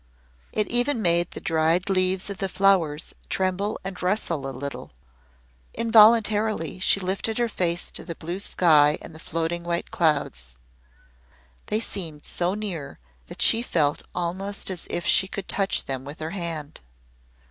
It even made the dried leaves of the flowers tremble and rustle a little. Involuntarily she lifted her face to the blue sky and floating white clouds. They seemed so near that she felt almost as if she could touch them with her hand.